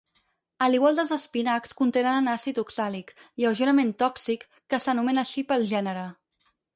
A l'igual dels espinacs, contenen àcid oxàlic lleugerament tòxic, que s'anomena així pel gènere.